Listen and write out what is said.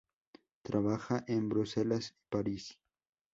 Trabaja en Bruselas y París.